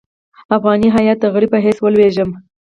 افغاني هیات د غړي په حیث ولېږلم.